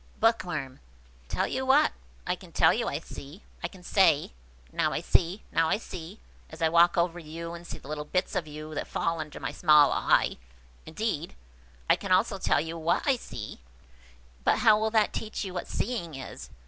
Bookworm. "Tell you what? I can tell you I see. I can say, Now I see, now I see, as I walk over you and see the little bits of you that fall under my small eye. Indeed, I can also tell you what I see; but how will that teach you what seeing is?